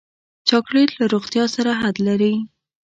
چاکلېټ له روغتیا سره حد لري.